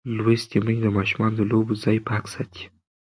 لوستې میندې د ماشومانو د لوبو ځای پاک ساتي.